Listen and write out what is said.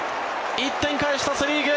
１点返したセ・リーグ。